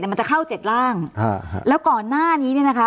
มันจะเข้าเจ็ดร่างแล้วก่อนหน้านี้เนี่ยนะคะ